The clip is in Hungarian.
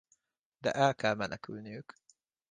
De el kell menekülniük.